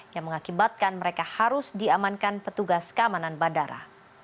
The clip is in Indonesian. yang mengakibatkan mereka harus diamankan petugas keamanan bandara